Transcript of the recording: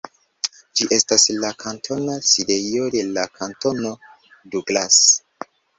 Ĝi estas la kantona sidejo de la kantono Douglas.